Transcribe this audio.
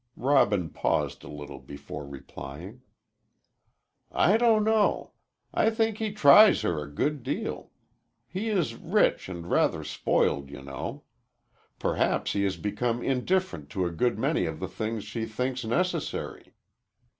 Robin paused a little before replying. "I don't know. I think he tries her a good deal. He is rich and rather spoiled, you know. Perhaps he has become indifferent to a good many of the things she thinks necessary."